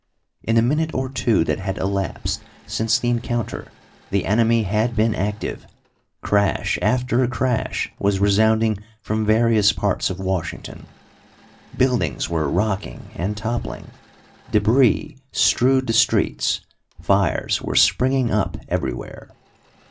In the minute or two that had elapsed since the encounter, the enemy had been active. Crash after crash was resounding from various parts of Washington. Buildings were rocking and toppling, débris strewed the streets, fires were springing up everywhere.